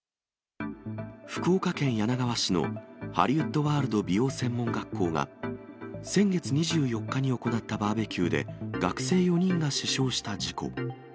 福岡県柳川市のハリウッドワールド美容専門学校が、先月２４日に行ったバーベキューで、学生４人が死傷した事故。